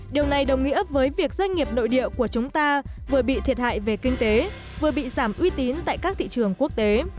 điều này đồng nghĩa với việc doanh nghiệp nội địa của chúng ta vừa bị thiệt hại về kinh tế vừa bị giảm uy tín tại các thị trường quốc tế